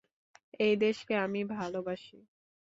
এই দেশকে আমি ভালোবাসি!